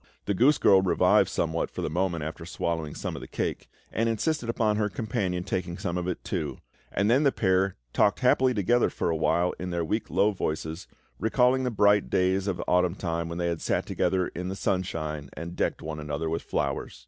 The goose girl revived somewhat for the moment after swallowing some of the cake, and insisted upon her companion taking some of it too; and then the pair talked happily together for awhile in their weak low voices, recalling the bright days of the autumn time when they had sat together in the sunshine and decked one another with flowers.